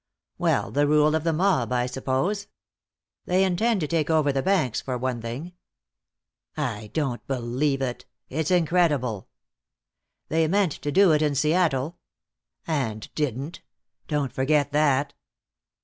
"Well, the rule of the mob, I suppose. They intend to take over the banks, for one thing." "I don't believe it. It's incredible." "They meant to do it in Seattle." "And didn't. Don't forget that."